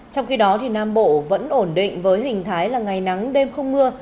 trong khi đó nam bộ vẫn ổn định với hình thái là ngày nắng đêm không mưa